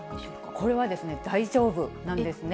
これはですね、大丈夫なんですね。